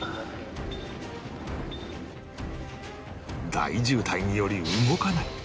大渋滞により動かない